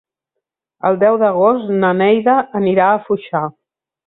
El deu d'agost na Neida anirà a Foixà.